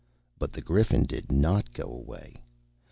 But the Griffin did not go away.